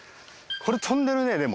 これ飛んでるねでも。